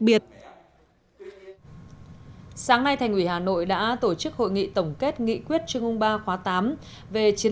biệt sáng nay thành ủy hà nội đã tổ chức hội nghị tổng kết nghị quyết trung ương ba khóa tám về chiến